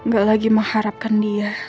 gak lagi mengharapkan dia